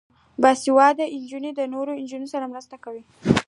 باسواده نجونې د نورو نجونو سره مرسته کوي.